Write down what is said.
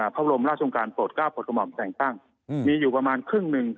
เท้ารมราชงการโปรดกล้าผลกฎหมอมการแส่งตั้งมีอยู่ประมาณครึ่งนึง